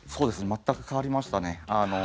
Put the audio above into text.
全く変わりましたね。